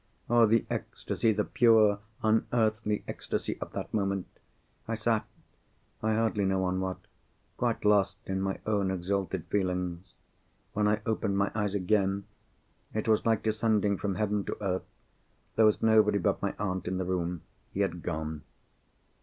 Oh the ecstasy, the pure, unearthly ecstasy of that moment! I sat—I hardly know on what—quite lost in my own exalted feelings. When I opened my eyes again, it was like descending from heaven to earth. There was nobody but my aunt in the room. He had gone.